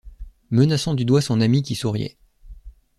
menaçant du doigt son ami qui souriait.